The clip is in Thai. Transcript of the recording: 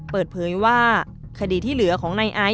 เปิดเผยว่าคดีที่เหลือของนายไอซ